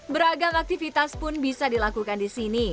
beragam aktivitas pun bisa dilakukan di sini